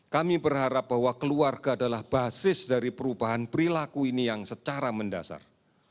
kami berharap bahwa keluarga adalah basis dari perubahan perilaku ini yang secara mendasar